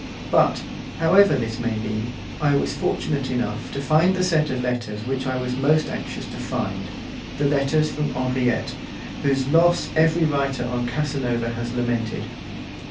But, however this may be, I was fortunate enough to find the set of letters which I was most anxious to find the letters from Henriette, whose loss every writer on Casanova has lamented.